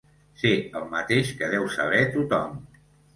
Sé el mateix que deu saber tothom.